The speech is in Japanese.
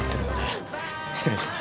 失礼します。